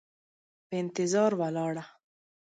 په انتظار ولاړه،